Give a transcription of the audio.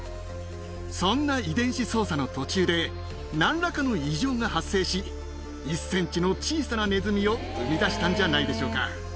そんな遺伝子操作の途中で、なんらかの異常が発生し、１センチの小さなネズミを生み出したんじゃないでしょうか。